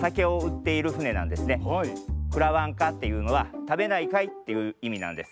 「くらわんか」っていうのは「たべないかい？」っていういみなんです。